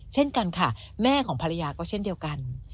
เช่นกันค่ะแม่ของภรรยาก็เช่นเดียวกัน